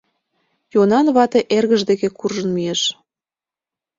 Йонан вате эргыж деке куржын мийыш.